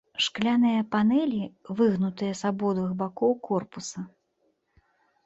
Шкляныя панэлі выгнутыя з абодвух бакоў корпуса.